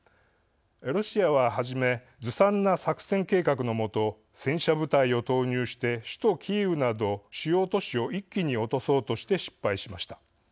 ロシアは初めずさんな作戦計画の下戦車部隊を投入して首都キーウなど主要都市を一気に落とそうとして失敗しました。